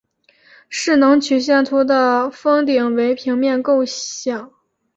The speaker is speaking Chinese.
势能曲线图的峰顶为平面构象。